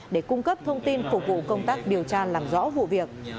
để cung cấp thông tin phục vụ công tác điều tra làm rõ vụ việc